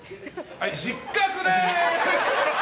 はい、失格です！